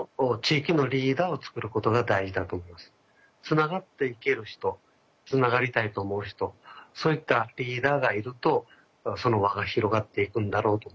つながっていける人つながりたいと思う人そういったリーダーがいるとその輪が広がっていくんだろうと思いますね。